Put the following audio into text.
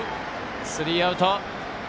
スリーアウト。